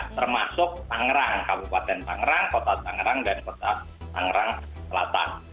termasuk tangerang kabupaten tangerang kota tangerang dan kota tangerang selatan